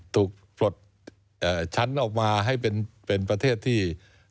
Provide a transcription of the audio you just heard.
ปลดชั้นออกมาให้เป็นประเทศที่